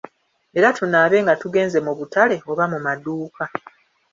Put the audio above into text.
Era tunaabe nga tugenze mu butale oba mu maduuka.